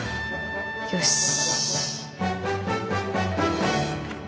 よし。